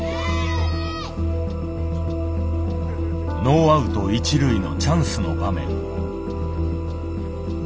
ノーアウト一塁のチャンスの場面。